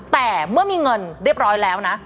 แต่เมื่อมีเงินเรียบร้อยแล้วนะ